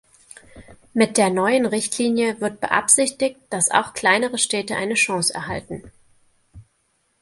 Mit der neuen Richtlinie wird beabsichtigt, dass auch kleinere Städte eine Chance erhalten.